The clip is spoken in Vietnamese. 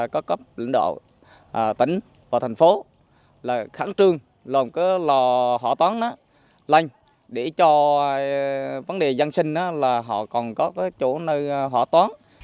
có cấp lĩnh đạo tỉnh và thành phố khẳng trương làm cái lò hỏa táng lành để cho vấn đề dân sinh là họ còn có cái chỗ nơi hỏa táng